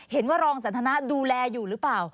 เห็นว่ารองสันทนาดูแลอยู่หรือเปล่า